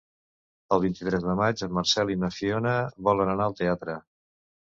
El vint-i-tres de maig en Marcel i na Fiona volen anar al teatre.